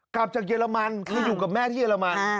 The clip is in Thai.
กลับจากเยอรมันคืออยู่กับแม่ที่เรมัน